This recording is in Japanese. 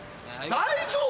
大丈夫？